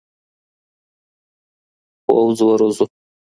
پوځ وروزو.